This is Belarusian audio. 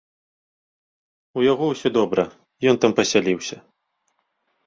У яго ўсё добра, ён там пасяліўся.